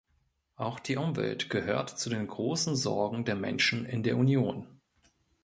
Auch die Umwelt gehört zu den großen Sorgen der Menschen in der Union.